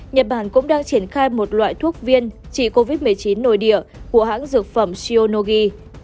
nhật bản cũng đang triển khai một loại thuốc viên trị covid một mươi chín nội địa của hãng dược phẩm sionogi